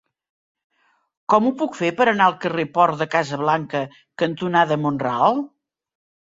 Com ho puc fer per anar al carrer Port de Casablanca cantonada Mont-ral?